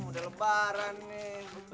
udah lebaran nih